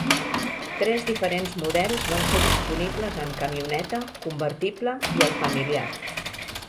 Tres diferents models van ser disponibles en: camioneta, convertible, i el familiar.